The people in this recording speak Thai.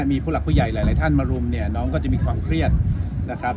มีผู้หลักผู้ใหญ่หลายท่านมารุมเนี่ยน้องก็จะมีความเครียดนะครับ